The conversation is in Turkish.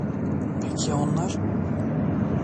Peki ya onlar?